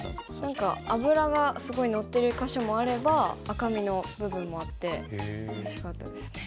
何か脂がすごい乗ってる箇所もあれば赤身の部分もあっておいしかったですね。